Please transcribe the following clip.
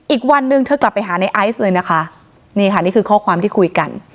อีกวันหนึ่งเธอกลับไปหาในไอซ์เลยนะคะนี่ค่ะนี่คือข้อความที่คุยกัน